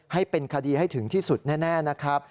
ให้เป็นคดีให้ถึงที่สุดแน่นะครับ